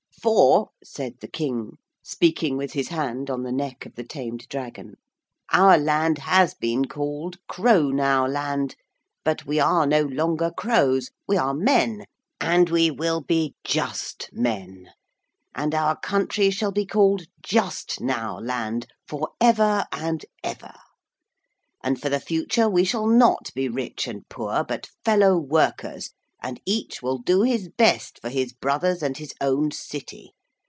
'For,' said the King, speaking with his hand on the neck of the tamed dragon, 'our land has been called Crownowland. But we are no longer crows. We are men: and we will be Just men. And our country shall be called Justnowland for ever and ever. And for the future we shall not be rich and poor, but fellow workers, and each will do his best for his brothers and his own city.